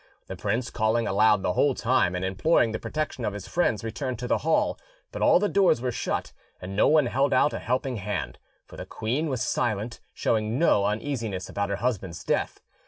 The prince, calling aloud the whole time and imploring the protection of his friends, returned to the hall; but all the doors were shut, and no one held out a helping hand; for the queen was silent, showing no uneasiness about her husband's death.